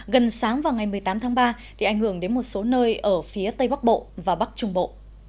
gần sáng vào ngày một mươi tám tháng ba thì ảnh hưởng đến một số nơi ở phía tây bắc bộ và bắc trung bộ